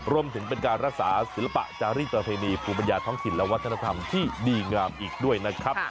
รวมถึงเป็นการรักษาศิลปะจารีประเพณีภูมิปัญญาท้องถิ่นและวัฒนธรรมที่ดีงามอีกด้วยนะครับ